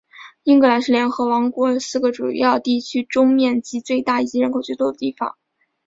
英格兰是联合王国四个主要地区中面积最大以及人口最多的地方。